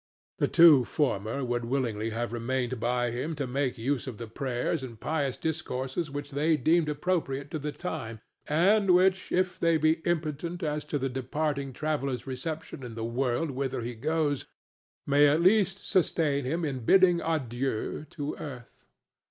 The two former would willingly have remained by him to make use of the prayers and pious discourses which they deemed appropriate to the time, and which, if they be impotent as to the departing traveller's reception in the world whither he goes, may at least sustain him in bidding adieu to earth.